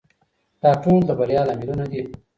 دا ټول د بریا لاملونه دي.